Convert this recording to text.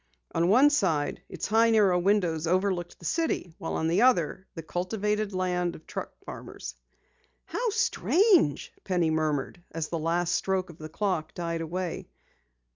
On one side, its high, narrow windows overlooked the city, while on the other, the cultivated lands of truck farmers. "How strange!" Penny murmured as the last stroke of the clock died away.